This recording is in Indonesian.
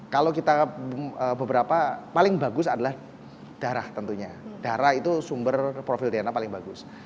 kalau kita beberapa paling bagus adalah darah tentunya darah itu sumber profil dna paling bagus